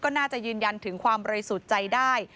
ก็น่าจะยืนยันถึงความบริสุทธิ์ใจได้